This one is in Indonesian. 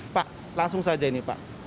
pak langsung saja ini pak